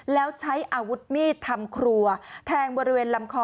แล้วใช้อาวุธมีดทำครัวแทงบริเวณลำคอ